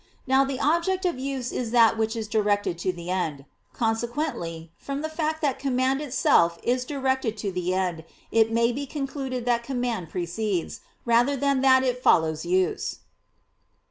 Now the object of use is that which is directed to the end. Consequently, from the fact that command [itself is directed to the end, it may be concluded that command] precedes, rather than that it follows use.